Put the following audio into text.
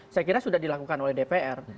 saya kira sudah dilakukan oleh dpr